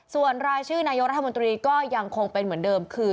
ส่วนรายชื่อนายกรัฐมนตรีก็ยังคงเป็นเหมือนเดิมคือ